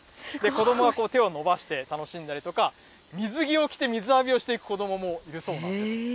子どもはこう手を伸ばして楽しんだりとか、水着を着て、水浴びをしていく子どももいるそうなんです。